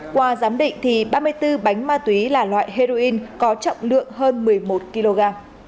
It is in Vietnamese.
qua giám định ba mươi bốn bánh ma túy là loại heroin có trọng lượng hơn một mươi một kg